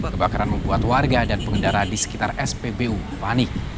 kebakaran membuat warga dan pengendara di sekitar spbu panik